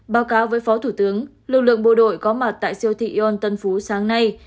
báo cáo với phó thủ tướng lực lượng bộ đội có mặt tại siêu thị yon tân phú sáng nay